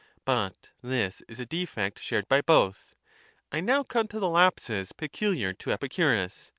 But this is a defect shared by both; I now CMne to the lapses peculiar to Epicurus.